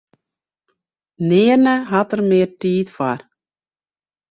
Nearne hat er mear tiid foar.